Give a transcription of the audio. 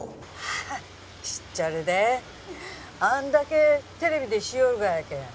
ああ知っちょるであんだけテレビでしよるがやけん